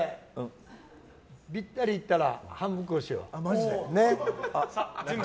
ぴったりいったら半分こしよう。